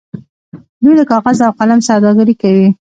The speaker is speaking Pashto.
دوی د کاغذ او قلم سوداګري کوي.